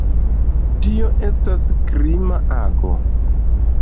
Tio estas krima ago.